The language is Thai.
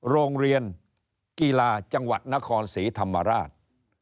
โรงเรียนกีฬาจังหวัดนครศรีธรรมราช